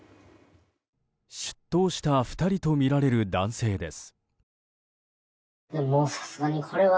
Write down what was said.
出頭した２人とみられる男性です。